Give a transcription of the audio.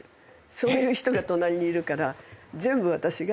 そういう人が隣にいるから全部私が。